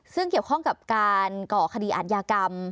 ซึ่งเกี่ยวข้องกับการก่อคดีอาทยากรรม